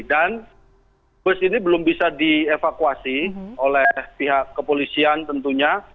dan bus ini belum bisa dievakuasi oleh pihak kepolisian tentunya